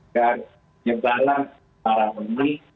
dan nyebaran para memilih